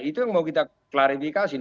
itu yang mau kita klarifikasi